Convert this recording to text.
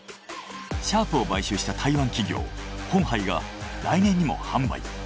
シャープを買収した台湾企業鴻海が来年にも販売。